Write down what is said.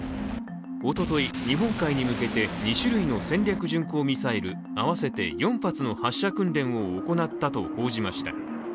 おととい、日本海に向けて２種類の戦略巡航ミサイル、合わせて４発の発射訓練を行ったと報じました。